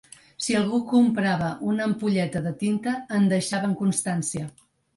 Si algú comprava una ampolleta de tinta, en deixaven constància.